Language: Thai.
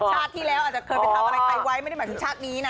ชาติที่แล้วอาจจะเคยไปทำขายไว้ไม่หมายถึงชาตินี้นะ